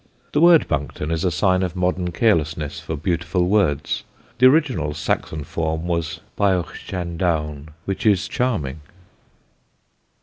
The word Buncton is a sign of modern carelessness for beautiful words: the original Saxon form was "Biohchandoune," which is charming.